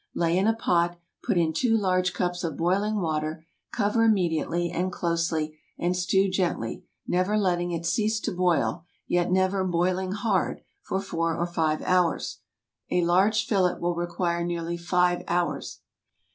Lay in a pot, put in two large cups of boiling water, cover immediately and closely, and stew gently—never letting it cease to boil, yet never boiling hard, for four or five hours. A large fillet will require nearly five hours.